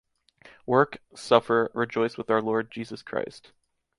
Work, suffer, rejoice with Our Lord Jesus Christ.